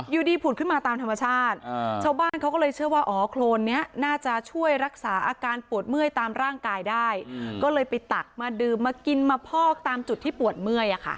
อยู่ดีผุดขึ้นมาตามธรรมชาติชาวบ้านเขาก็เลยเชื่อว่าอ๋อโครนนี้น่าจะช่วยรักษาอาการปวดเมื่อยตามร่างกายได้ก็เลยไปตักมาดื่มมากินมาพอกตามจุดที่ปวดเมื่อย